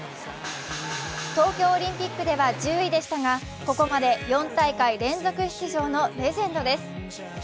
東京オリンピックでは１０位でしたがここまで４大会連続出場のレジェンドです。